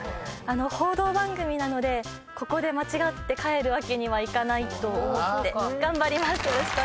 報道番組なのでここで間違って帰るわけにはいかないと思って頑張ります。